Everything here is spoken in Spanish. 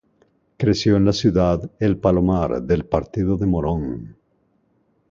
Creció en la ciudad El Palomar, del Partido de Morón.